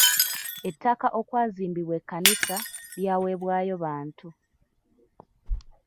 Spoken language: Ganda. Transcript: Ettaka okwazimbibwa ekkanisa lyaweebwayo bantu.